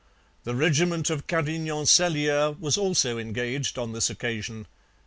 The regiment of Carignan Salieres was also engaged on this occasion.